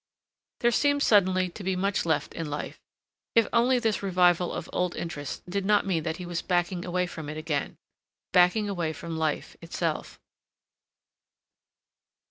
There seemed suddenly to be much left in life, if only this revival of old interests did not mean that he was backing away from it again—backing away from life itself.